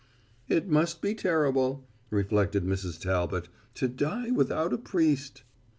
"It must be terrible," reflected Mrs. Talbot, "to die without a priest."